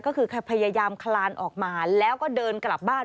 ก็คือพยายามคลานออกมาแล้วก็เดินกลับบ้าน